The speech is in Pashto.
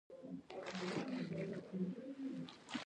هغه په پای کې وپوښتل چې ایا موږ واقعیا کولی شو